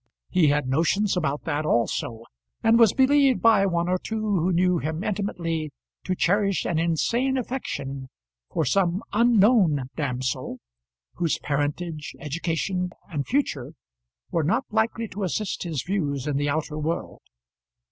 He had notions about that also, and was believed by one or two who knew him intimately to cherish an insane affection for some unknown damsel, whose parentage, education, and future were not likely to assist his views in the outer world.